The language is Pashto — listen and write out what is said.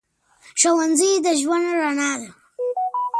ښوونځی د ژوند رڼا ده